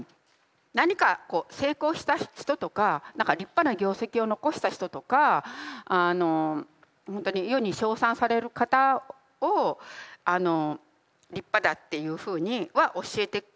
何かこう成功した人とか何か立派な業績を残した人とかほんとに世に称賛される方を立派だっていうふうには教えてくれて。